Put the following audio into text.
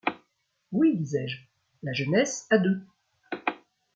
Oui, disais-je, la jeunesse à deux !